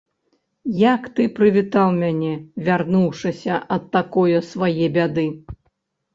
Як ты прывітаў мяне, вярнуўшыся ад такое свае бяды?